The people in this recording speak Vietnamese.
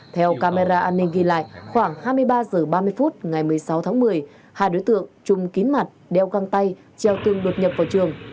theo camera an ninh ghi lại khoảng hai mươi ba h ba mươi phút ngày một mươi sáu tháng một mươi hai đối tượng trùng kín mặt đeo găng tay treo tường đột nhập vào trường